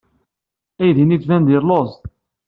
Aydi-nni yettban-d yelluẓ.